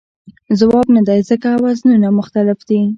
ځواب نه دی ځکه وزنونه مختلف دي.